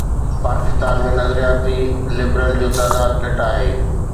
پاڪستان ۾ نظرياتي لبرل جو تعداد گهٽ آهي.